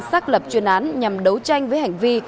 xác lập chuyên án nhằm đấu tranh với hành vi